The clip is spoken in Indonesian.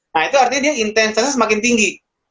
nah itu artinya dia intensitasnya semakin tinggi